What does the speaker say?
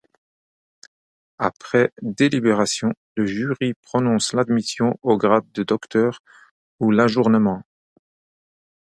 Après délibération, le jury prononce l'admission au grade de docteur ou l'ajournement.